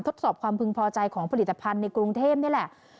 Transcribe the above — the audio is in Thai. ทดสอบความพึงพอใจของผลิตภัณฑ์ในกรุงเทพนี่แหละ